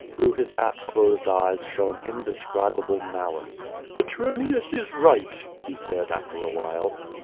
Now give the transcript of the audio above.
Through his half closed eyes shone indescribable malice. "Petronius is right," he said after a while.